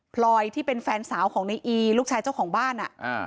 พลอยที่เป็นแฟนสาวของในอีลูกชายเจ้าของบ้าน